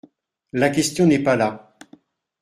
La question n’est pas là.